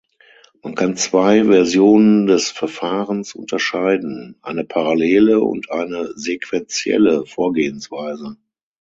Man kann zwei Versionen des Verfahrens unterscheiden: eine parallele und eine sequentielle Vorgehensweise.